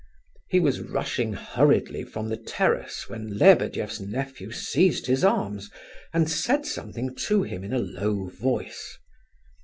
He was rushing hurriedly from the terrace, when Lebedeff's nephew seized his arms, and said something to him in a low voice.